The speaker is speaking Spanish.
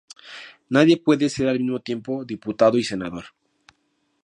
Nadie puede ser al mismo tiempo diputado y senador.